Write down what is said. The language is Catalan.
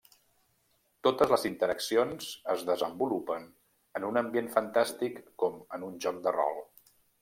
Totes les interaccions es desenvolupen en un ambient fantàstic com en un joc de rol.